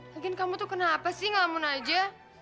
mungkin kamu tuh kenapa sih ngelamun aja